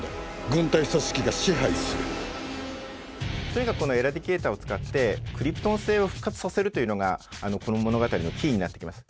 とにかくこのエラディケイターを使ってクリプトン星を復活させるというのがこの物語のキーになってきます。